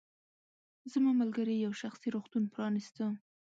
زما ملګرې یو شخصي روغتون پرانیسته.